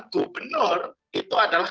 gubernur itu adalah